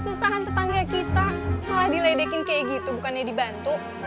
kesusahan tetangga kita malah diledekin kayak gitu bukannya dibantu